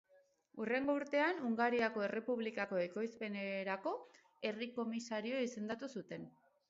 Hurrengo urtean Hungariako Errepublikako ekoizpenerako herri komisario izendatu zuten.